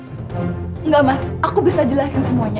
enggak mas aku bisa jelasin semuanya